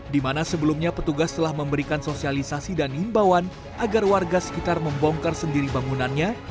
di mana sebelumnya petugas telah memberikan sosialisasi dan imbauan agar warga sekitar membongkar sendiri bangunannya